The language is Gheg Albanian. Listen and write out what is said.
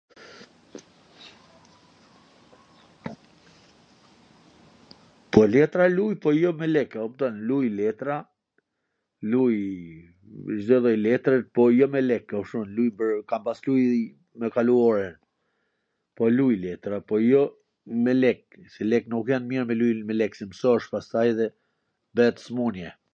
po letra luj, po jo me lek a kupton, luj letra, luj Cdo lloj letwr po jo me lek e kupton, luj pwr, kam pas luj me kalu orwn, po luj letra, po jo me lek, se lek nuk jan mir me luj me lek, se msohesh pastaj dhe bwhet smun-je